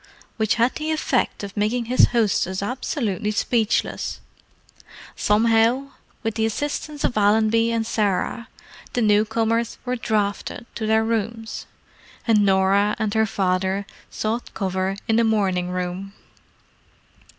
—which had the effect of making his hostess absolutely speechless. Somehow with the assistance of Allenby and Sarah, the newcomers were "drafted" to their rooms, and Norah and her father sought cover in the morning room.